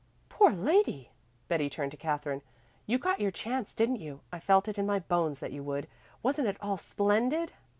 "Poor lady!" Betty turned to Katherine. "You got your chance, didn't you? I felt it in my bones that you would. Wasn't it all splendid?"